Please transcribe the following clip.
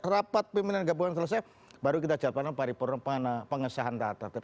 rapat pimpinan gabungan selesai baru kita jawabkan pengesahan tataran